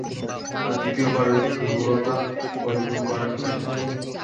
আর দ্বিতীয় বার ঐ দুর্ভলতা ঐ ভুল করার জন্য এসেছ?